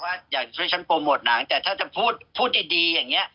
อยากช่วยฉันโปรโมทหนังแต่ถ้าจะพูดพูดดีอย่างนี้